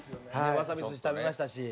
わさび寿司食べましたし。